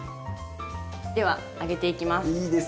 では揚げていきます。